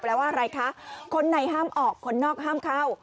ว่าอะไรคะคนในห้ามออกคนนอกห้ามเข้า